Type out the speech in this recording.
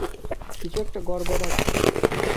কিছু একটা গড়বর আছে।